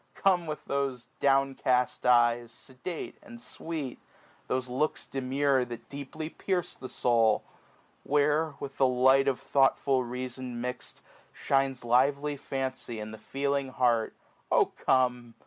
Come with those downcast eyes, sedate and sweet, Thos^e looks demure, that deeply pierce the soul. Where, with the light of thoughtful reason mix*d. Shines lively fancy and the feeling heart : 485 Oh come